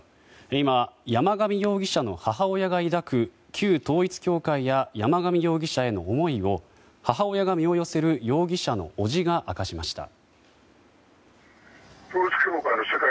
今、山上容疑者の母親が抱く旧統一教会や山上容疑者への思いを母親が身を寄せる容疑者の伯父が明かしました。